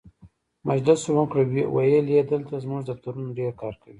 مجلس مو وکړ، ویل یې دلته زموږ دفترونه ډېر کار کوي.